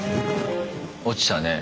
落ちたね。